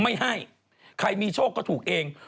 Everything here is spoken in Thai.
ไม่ให้ใครมีโชคก็ถูกเอง